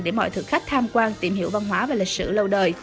để mọi thực khách tham quan tìm hiểu văn hóa về lịch sử lâu đời